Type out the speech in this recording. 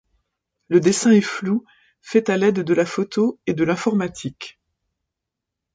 Le dessin est flou fait à l'aide de la photo et de l'informatique.